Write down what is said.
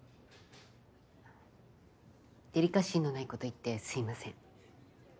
デリカシーのないこと言ってすいません。